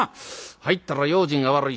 入ったら用心が悪い。